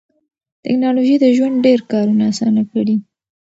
ټکنالوژي د ژوند ډېر کارونه اسانه کړي